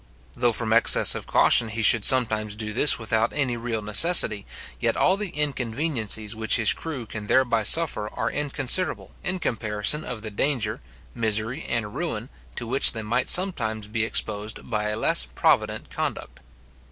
Though from excess of caution he should sometimes do this without any real necessity, yet all the inconveniencies which his crew can thereby suffer are inconsiderable, in comparison of the danger, misery, and ruin, to which they might sometimes be exposed by a less provident conduct.